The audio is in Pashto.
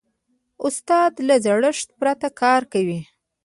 استاد له زړښت پرته کار کوي.